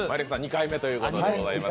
２回目ということで。